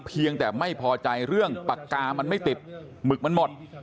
เพียงแต่ไม่พอใจเรื่องปากกามันไม่ติดหมึกมันหมด